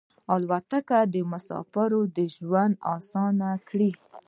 الوتکه د مسافرو ژوند اسانه کړی.